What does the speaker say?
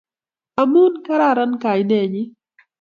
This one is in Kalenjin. Amu kararan kainennyi.